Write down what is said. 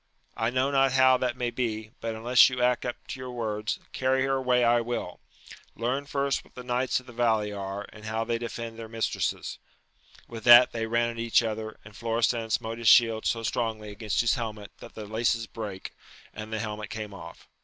— I know not how that may be, but unless you act up to your words, carry her away I will I — Learn first what the knights of the valley are, and how they defend their mistresses 1 With that they ran at each other, and Florestan smote his shield so strongly against his helmet that the laces brake, and the helmet came off.